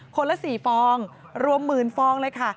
ละ๔ฟองรวมหมื่นฟองเลยค่ะ